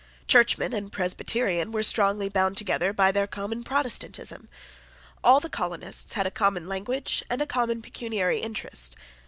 Churchman and Presbyterian were strongly bound together by their common Protestantism. All the colonists had a common language and a common pecuniary interest.